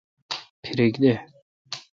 پھریک دہ۔